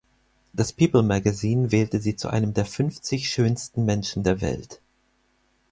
Das "People Magazine" wählte sie zu einem der fünfzig schönsten Menschen der Welt.